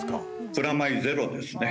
プラマイゼロですね。